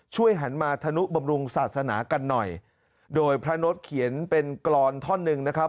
หันมาธนุบำรุงศาสนากันหน่อยโดยพระนดเขียนเป็นกรอนท่อนหนึ่งนะครับ